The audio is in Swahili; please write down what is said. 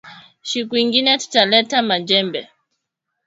Shiku ingine tutaleta ma jembe